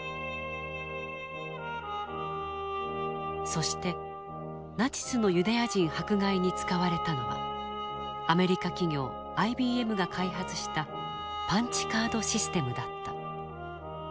そしてナチスのユダヤ人迫害に使われたのはアメリカ企業ＩＢＭが開発したパンチカードシステムだった。